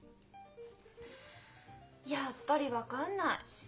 やっぱり分かんない。